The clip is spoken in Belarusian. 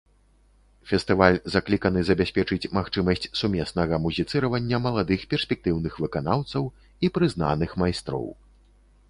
Фестываль закліканы забяспечыць магчымасць сумеснага музіцыравання маладых перспектыўных выканаўцаў і прызнаных майстроў.